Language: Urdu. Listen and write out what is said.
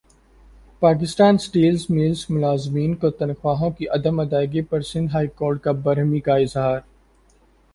پاکستان اسٹیلز ملزملازمین کو تنخواہوں کی عدم ادائیگی پرسندھ ہائی کورٹ کا برہمی کااظہار